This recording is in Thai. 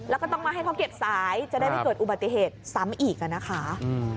แล้วก็ต้องมาให้เขาเก็บสายจะได้ไม่เกิดอุบัติเหตุซ้ำอีกอ่ะนะคะ